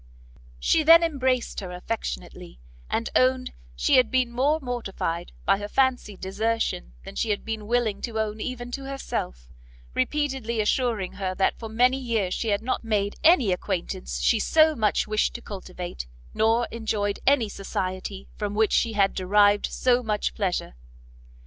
She then embraced her affectionately, and owned she had been more mortified by her fancied desertion than she had been willing to own even to herself, repeatedly assuring her that for many years she had not made any acquaintance she so much wished to cultivate, nor enjoyed any society from which she had derived so much pleasure.